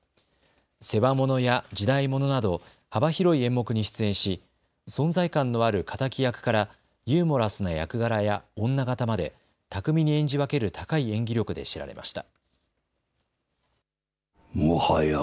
世話物や時代物など幅広い演目に出演し存在感のある敵役からユーモラスな役柄や女形まで巧みに演じ分ける高い演技力で知られました。